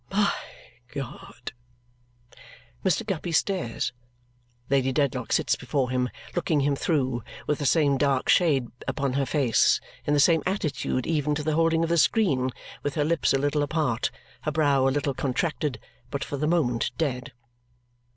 "My God!" Mr. Guppy stares. Lady Dedlock sits before him looking him through, with the same dark shade upon her face, in the same attitude even to the holding of the screen, with her lips a little apart, her brow a little contracted, but for the moment dead.